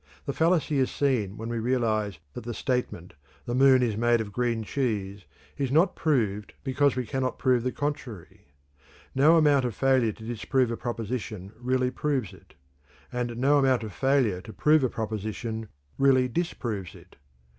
The fallacy is seen when we realize that the statement, "The moon is made of green cheese," is not proved because we cannot prove the contrary. No amount of failure to disprove a proposition really proves it; and no amount of failure to prove a proposition really disproves it.